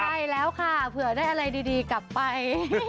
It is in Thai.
ใช่แล้วค่ะเผื่อได้อะไรดีกลับไป